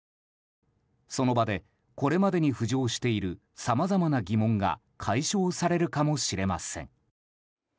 その場でこれまでに浮上しているさまざまな疑問が解消されるかもしれません。